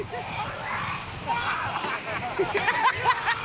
ハハハハ！